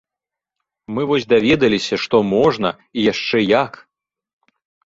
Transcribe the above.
Мы вось даведаліся, што можна і яшчэ як!